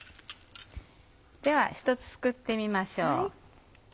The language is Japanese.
では１つすくってみましょう。